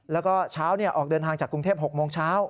แล้วก็เช้าออกเดินทางจากกรุงเทพ๖โมงเช้า